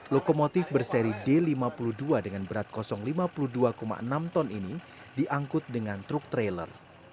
lokomotif berseri d lima puluh dua dengan berat kosong lima puluh dua enam ton ini diangkut dengan truk trailer